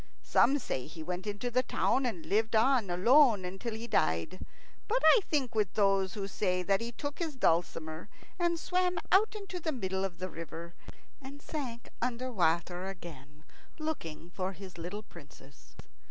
"Some say he went into the town, and lived on alone until he died. But I think with those who say that he took his dulcimer and swam out into the middle of the river, and sank under water again, looking for his little Princess.